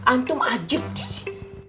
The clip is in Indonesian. antung ajib di sini